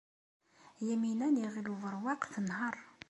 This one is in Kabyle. Yamina n Yiɣil Ubeṛwaq tenheṛ.